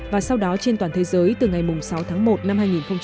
và sau đó trên toàn thế giới từ ngày sáu tháng một năm hai nghìn hai mươi